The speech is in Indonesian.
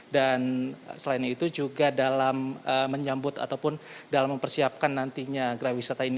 dan selain itu juga dalam menyambut ataupun dalam mempersiapkan nantinya geraha wisata ini